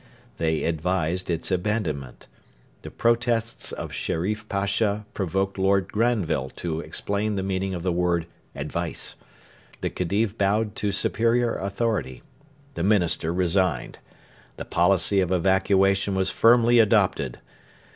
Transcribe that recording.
They 'advised' its abandonment. The protests of Sherif Pasha provoked Lord Granville to explain the meaning of the word 'advice.' The Khedive bowed to superior authority. The Minister resigned. The policy of evacuation was firmly adopted.